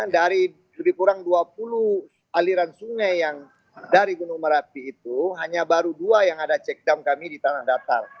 dari lebih kurang dua puluh aliran sungai yang dari gunung merapi itu hanya baru dua yang ada checkdown kami di tanah datar